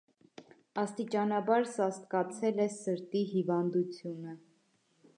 Աստիճանաբար սաստկացել է սրտի հիվանդությունը։